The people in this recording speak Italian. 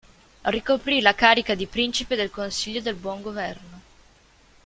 Ricoprì la carica di Principe del Consiglio del Buon Governo.